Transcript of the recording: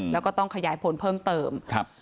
แล้วก็ต้องขยายผลเพิ่มเติมครับ